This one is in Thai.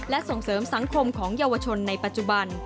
และส่งเสริมสังคมของเยาวชนในปัจจุบัน